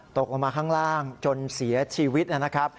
ตกลงมาข้างล่างจนเสียชีวิตนะครับ